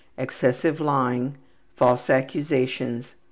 Excessive lying. False accusations.